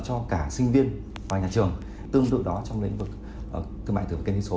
cho cả sinh viên và nhà trường tương tự đó trong lĩnh vực thương mại tự kinh tế số